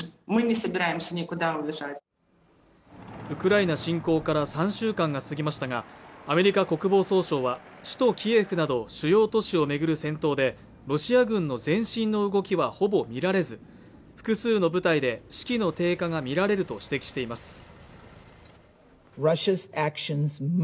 ウクライナ侵攻から３週間が過ぎましたがアメリカ国防総省は首都キエフなど主要都市を巡る戦闘でロシア軍の前進の動きはほぼ見られず複数の部隊で士気の低下が見られると指摘しています